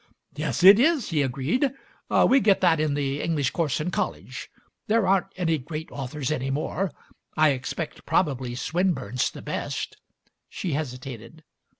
"Yes, it is," he agreed. "We get that in the English course in college. There aren't any great authors any more. I expect probably Swinburne's the best." She hesitated.